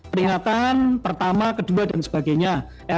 peringatan pertama kedua dan sebagainya